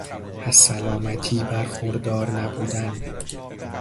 از سلامتی برخوردار نبودن